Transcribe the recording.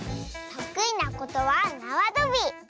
とくいなことはなわとび。